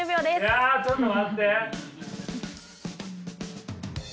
いやちょっと待って！